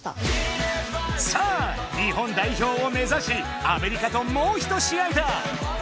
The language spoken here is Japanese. さあ日本代表をめざしアメリカともうひと試合だ！